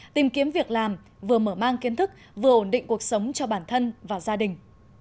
tìm kiếm việc làm vừa mở mang kiến thức vừa ổn định cuộc sống cho bản thân và gia đình